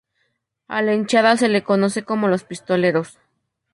A la hinchada se la conoce como Los Pistoleros.